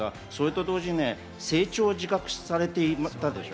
同時に成長を自覚されていたでしょ？